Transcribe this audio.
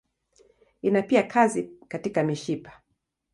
Ina pia kazi katika mishipa.